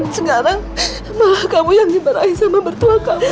sekarang malah kamu yang dibarahi sama bertuah kamu